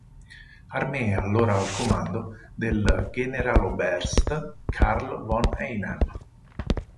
Armee allora al comando del generaloberst Karl von Einem.